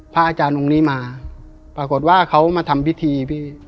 อาจารย์องค์นี้มาปรากฏว่าเขามาทำพิธีพี่